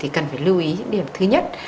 là phải lưu ý điểm thứ nhất